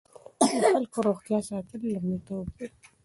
د خلکو روغتیا ساتل لومړیتوب دی.